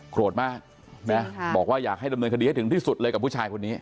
โกรธมากนะบอกว่าอยากให้ดำเนินคดีให้ถึงที่สุดเลยกับผู้ชายคนนี้